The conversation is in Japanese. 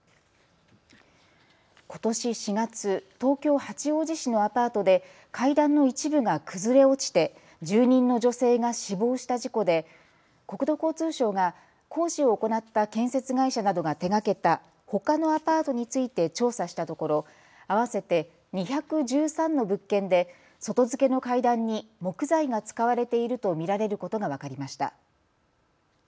ことし４月、東京八王子市のアパートで階段の一部が崩れ落ちて住人の女性が死亡した事故で国土交通省が工事を行った建設会社などが手がけたほかのアパートについて調査したところ合わせて２１３の物件で外付けの階段に木材が使われていると見られることが分かりました。